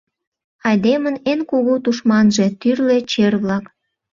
Айдемын эн кугу тушманже — тӱрлӧ чер-влак.